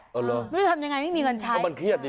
ไม่ได้ทำยังไงไม่มีเงินใช้